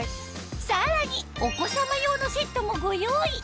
さらにお子様用のセットもご用意